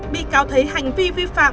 bị cáo thấy hành vi vi phạm